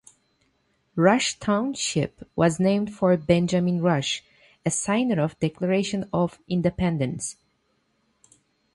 Rush Township was named for Benjamin Rush, a signer of the Declaration of Independence.